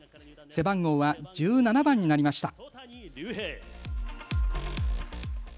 背番号は１７番になりました。